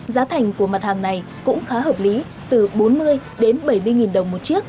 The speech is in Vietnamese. giá thành của mặt hàng này cũng khá hợp lý từ bốn mươi đến bảy mươi nghìn đồng một chiếc